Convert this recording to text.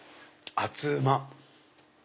熱うまっ！